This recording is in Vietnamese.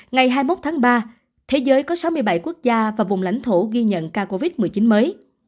ngày hai mươi một tháng ba thế giới có sáu mươi bảy quốc gia và vùng lãnh thổ ghi nhận ca covid một mươi chín mới